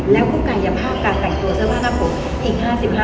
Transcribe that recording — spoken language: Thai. แล้วก็กายภาพการแต่งตัวเสื้อผ้าหน้าผมอีก๕๕เปอร์เซ็นต์